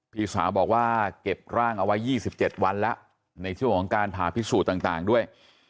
พี่สาวบอกว่าเก็บร่างเอาไว้๒๗วันแล้วในช่วงของการผ่าพิสูจน์ต่างด้วย